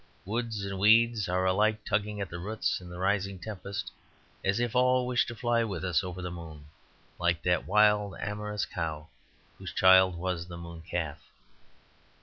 Woods and weeds are alike tugging at the roots in the rising tempest, as if all wished to fly with us over the moon, like that wild amorous cow whose child was the Moon Calf.